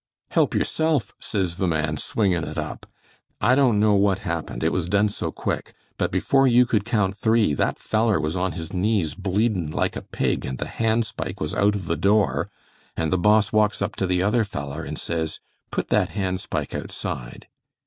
'Help yourself,' says the man swingin' it up. I don't know what happened, it was done so quick, but before you could count three that feller was on his knees bleedin' like a pig and the hand spike was out of the door, and the Boss walks up to the other feller and says, 'Put that hand spike outside.'